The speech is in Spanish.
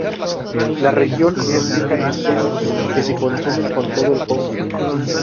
La región es rica en peces que se consumen en todo el Congo.